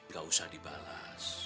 gak usah dibalas